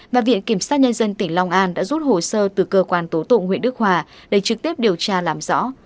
và viện kiểm sát nhân dân tỉnh long an đã rút hồ sơ từ cơ quan tố tụng huyện đức hòa để trực tiếp điều tra làm rõ